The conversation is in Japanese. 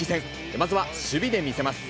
まずは守備で見せます。